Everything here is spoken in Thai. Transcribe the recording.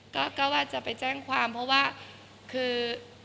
ก็ว่าจะไปแจ้งความเพราะว่าคือ